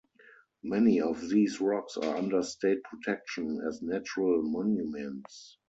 Many of these rocks are under state protection as natural monuments.